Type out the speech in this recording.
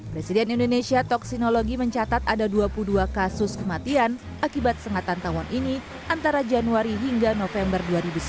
presiden indonesia toksinologi mencatat ada dua puluh dua kasus kematian akibat sengatan tawon ini antara januari hingga november dua ribu sembilan belas